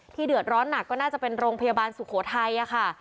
เดือดร้อนหนักก็น่าจะเป็นโรงพยาบาลสุโขทัยค่ะ